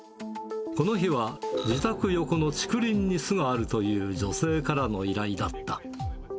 この日は、自宅横の竹林に巣があるという女性からの依頼だった。